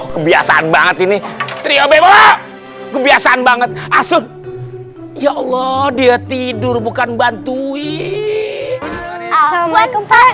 kebiasaan banget ini teriak kebiasaan banget asyik ya allah dia tidur bukan bantuin